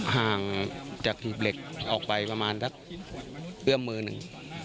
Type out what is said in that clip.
ห่างจากหีบเหล็กออกไปประมาณสักเอื้อมมือหนึ่ง